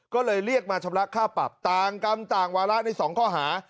ก็เลยเรียกมาชำระค่าปรับต่างกรรมต่างวาระใน๒ข้อหา